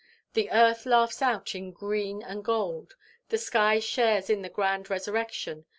The earth laughs out in green and gold. The sky shares in the grand resurrection.